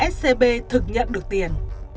scb thực nhận được tiền